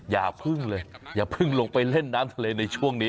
อย่าพึ่งเลยอย่าเพิ่งลงไปเล่นน้ำทะเลในช่วงนี้